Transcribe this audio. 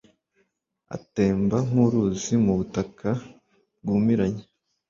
atemba nk’uruzi mu butaka bwumiranye